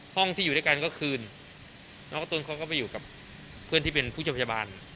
ห้องที่อยู่ด้วยกันก็คือน้องกระตุ้นเขาก็ไปอยู่กับเพื่อนที่เป็นผู้ชมพยาบาล